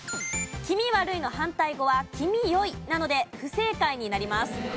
気味悪いの反対語は気味良いなので不正解になります。